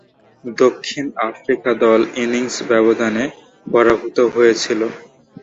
দক্ষিণ আফ্রিকা দল ইনিংস ব্যবধানে পরাভূত হয়েছিল।